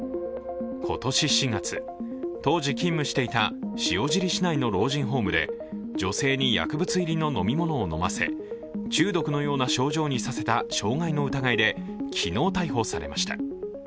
今年４月、当時勤務していた塩尻市内の老人ホームで女性に薬物入りの飲み物を飲ませ中毒のような症状にさせた傷害の疑いで昨日逮捕されました。